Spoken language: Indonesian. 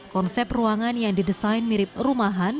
konsep ruangan yang didesain mirip rumahan